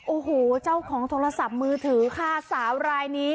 โอ้โหเจ้าของโทรศัพท์มือถือค่ะสาวรายนี้